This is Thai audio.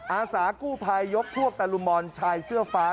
อาสากู้ภัยยกพวกตะลุมอนชายเสื้อฟ้า